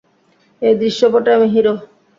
এই দৃশ্যপটে আমি হিরো।